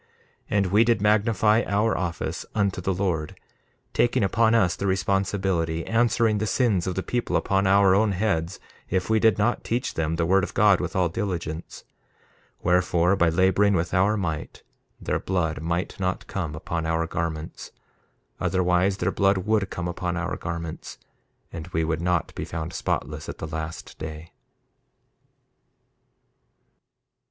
1:19 And we did magnify our office unto the Lord, taking upon us the responsibility, answering the sins of the people upon our own heads if we did not teach them the word of God with all diligence; wherefore, by laboring with our might their blood might not come upon our garments; otherwise their blood would come upon our garments, and we would not be found spotless at the last day.